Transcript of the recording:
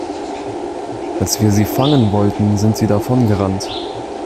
Als wir sie fangen wollten, sind sie davon gerannt.